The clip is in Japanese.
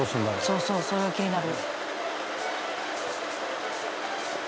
そうそうそれが気になる。